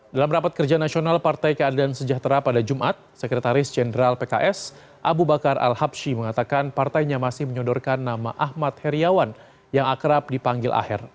dalam rapat kerja nasional partai keadilan sejahtera pada jumat sekretaris jenderal pks abu bakar al habshi mengatakan partainya masih menyodorkan nama ahmad heriawan yang akrab dipanggil aher